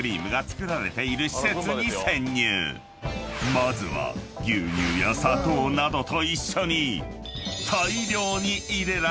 ［まずは牛乳や砂糖などと一緒に］